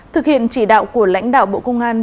thực hiện chỉ đạo của lãnh đạo bộ công an